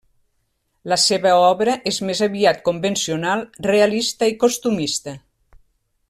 La seva obra és més aviat convencional, realista i costumista.